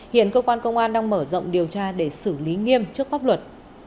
hiện cơ quan công an đang mở rộng điều tra để xử lý nghiêm trước pháp luật